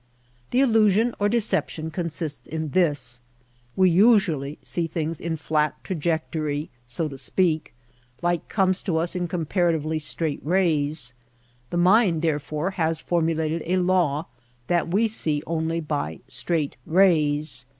The illusion or deception consists in this : We usually see things in flat trajectory, so to speak. Light comes to us in comparatively straight rays. The mind, therefore, has formu lated a law that we see only by straight rays.